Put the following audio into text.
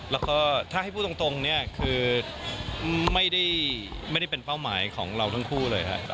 แล้วก็ถ้าให้พูดตรงเนี่ยคือไม่ได้เป็นเป้าหมายของเราทั้งคู่เลยครับ